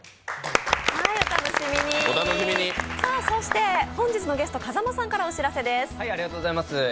そして本日のゲスト風間さんからお知らせです。